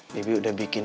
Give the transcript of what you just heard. bibi udah bikin